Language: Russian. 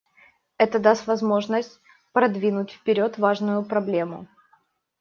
Это даст возможность продвинуть вперед важную проблему.